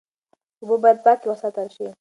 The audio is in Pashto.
اوبه باید پاکې وساتل شي.